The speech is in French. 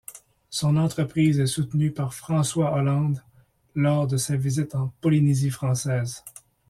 Son entreprise est soutenue par François Hollande lors de sa visite en Polynésie française.